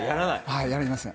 はいやりません。